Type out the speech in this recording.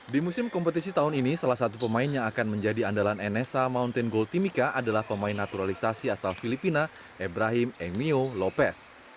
di musim kompetisi tahun ini salah satu pemain yang akan menjadi andalan nsa mountain gold timika adalah pemain naturalisasi asal filipina ebrahim emio lopez